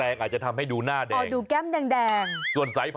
นิดหนึ่ง